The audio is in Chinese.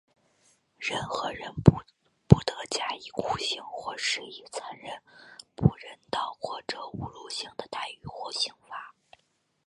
任何人不得加以酷刑,或施以残忍的、不人道的或侮辱性的待遇或刑罚。